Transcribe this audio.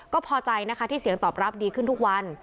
ก็พอใจนะคะที่เสียงตอบรับดีขึ้นทุกวัน